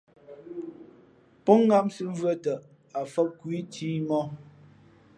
Pó ŋǎmsī mvʉ̄ᾱ tαʼ, ǎ fǒp khu ǐ cǐmōh.